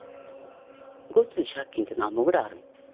ごっつい借金ってなんぼぐらいあるんや？